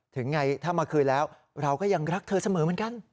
ถึงไงถ้ามาคืนแล้วเราก็ยังรักเธอเสมอเหมือนกัน